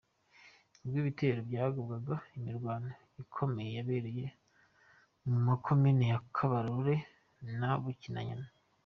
Ubwo ibitero byagabwaga, imirwano ikomeye yabereye mu makomini ya Kabarore na Bukinanyana.